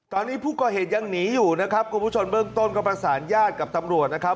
ตอนนี้ผู้ก่อเหตุยังหนีอยู่นะครับคุณผู้ชมเบื้องต้นก็ประสานญาติกับตำรวจนะครับ